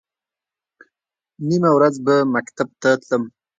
نیمه ورځ به مکتب ته تلم.